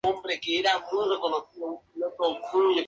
La primera vez que el nombre fue durante el dominio británico de India.